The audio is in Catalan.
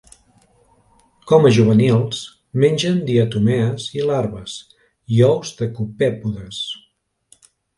Com a juvenils, mengen diatomees i larves i ous de copèpodes.